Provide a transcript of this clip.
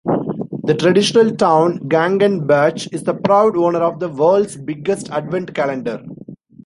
The traditional town Gengenbach is the proud owner of the world's biggest advent calendar.